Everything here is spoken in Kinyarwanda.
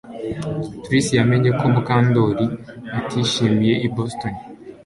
Trix yamenye ko Mukandoli atishimiye i Boston